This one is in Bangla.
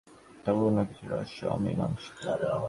থাকুক না কিছু রহস্য অমীমাংসিত।